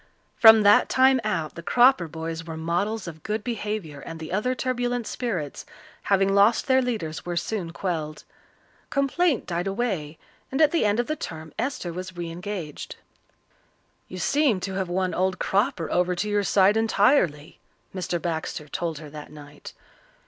From that time out the Cropper boys were models of good behaviour and the other turbulent spirits, having lost their leaders, were soon quelled. Complaint died away, and at the end of the term Esther was re engaged. "You seem to have won old Cropper over to your side entirely," Mr. Baxter told her that night.